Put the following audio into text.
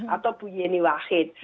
atau bu yeni wahid